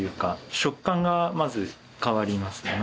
食感がまず変わります。